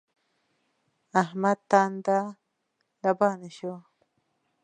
احمد تانده لبانه شو.